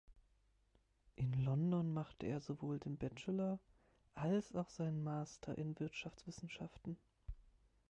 In London machte er sowohl den Bachelor, als auch seinen Master in Wirtschaftswissenschaften.